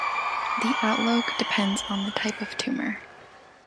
The outlook depends on the type of tumor.